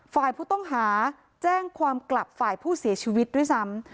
ฝ่ายผู้ต้องหาแจ้งความกลับฝ่ายผู้เสียชีวิตด้วยซ้ำ